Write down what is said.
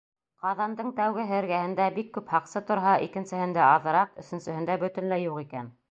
Ҡаҙандың тәүгеһе эргәһендә бик күп һаҡсы торһа, икенсеһендә аҙыраҡ, өсөнсөһөндә бөтөнләй юҡ икән.